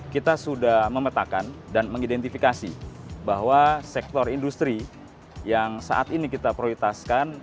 kita sudah memetakan dan mengidentifikasi bahwa sektor industri yang saat ini kita prioritaskan